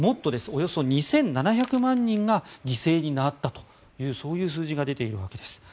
およそ２７００万人が犠牲になったというそういう数字が出ているわけです。